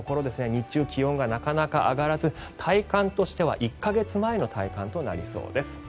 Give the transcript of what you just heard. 日中、気温がなかなか上がらず体感としては１か月前の体感となりそうです。